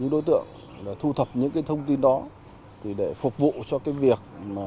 đối tượng thu thập những thông tin đó để phục vụ cho việc